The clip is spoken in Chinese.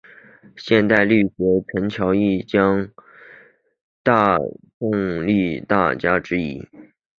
现代郦学家陈桥驿将程大昌列为宋代的两大郦学家之一。